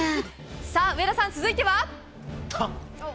さあ上田さん、続いては。